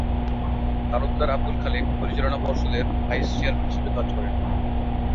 তালুকদার আবদুল খালেক পরিচালনা পর্ষদের ভাইস-চেয়ারম্যান হিসাবে কাজ করেন।